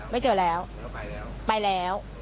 ไม่เจอแล้วไปแล้ว